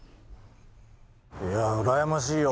いやうらやましいよ。